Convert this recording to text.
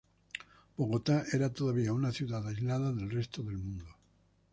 Bogotá era todavía una ciudad aislada del resto del mundo.